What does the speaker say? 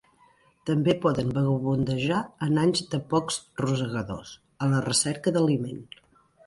També poden vagabundejar en anys de pocs rosegadors, a la recerca d'aliment.